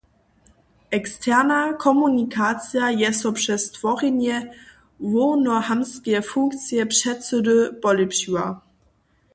Eksterna komunikacija je so přez tworjenje hłownohamtskeje funkcije předsydy polěpšiła.